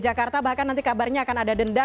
jakarta bahkan nanti kabarnya akan ada denda